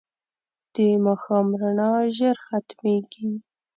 د ماښام رڼا ژر ختمېږي